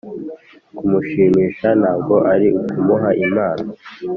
kumushimisha ntabwo ari ukumuha impano